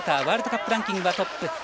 ワールドカップランキングはトップ。